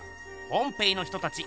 ポンペイの人たち